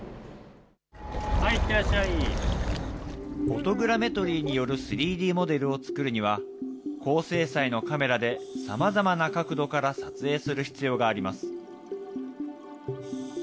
フォトグラメトリーによる３Ｄモデルを作るには、高精細のカメラで、さまざまな角度から撮影する必要があります。